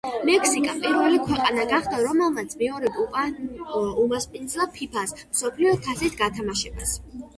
მექსიკა პირველი ქვეყანა გახდა, რომელმაც მეორედ უმასპინძლა ფიფა-ს მსოფლიო თასის გათამაშებას.